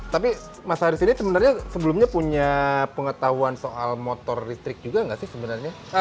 tapi mas haris ini sebenarnya sebelumnya punya pengetahuan soal motor listrik juga nggak sih sebenarnya